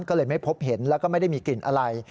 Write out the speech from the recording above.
ก็เลยไม่พบเห็นแล้วก็ไม่ได้มีกลิ่นอะไร